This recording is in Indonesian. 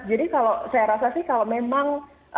jadi kalau saya rasa sih kalau memang